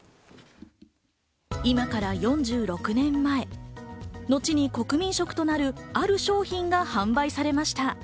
今から４６年前、後に国民食となるある商品が発売されました。